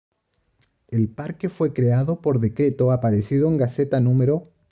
El parque fue creado por decreto aparecido en Gaceta No.